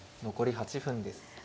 残り８分です。